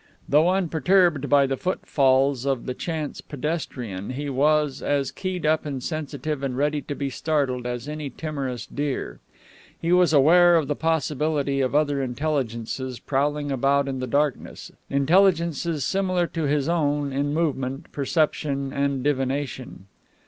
Though unperturbed by the footfalls of the chance pedestrian, he was as keyed up and sensitive and ready to be startled as any timorous deer. He was aware of the possibility of other intelligences prowling about in the darkness intelligences similar to his own in movement, perception, and divination.